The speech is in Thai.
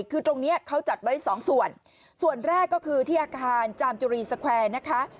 คือตรงนี้เขาจัดไว้สองส่วนส่วนแรกก็คือที่อาคารจามจุรีสแควร์นะคะ